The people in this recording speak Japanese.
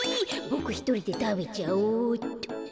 ボクひとりでたべちゃおうっと。